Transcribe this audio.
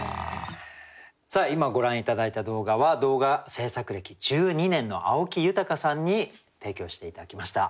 今ご覧頂いた動画は動画制作歴１２年の青木豊さんに提供して頂きました。